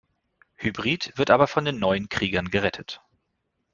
Hybrid wird aber von den neuen Kriegern gerettet.